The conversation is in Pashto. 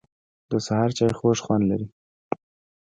د سهار چای خوږ خوند لري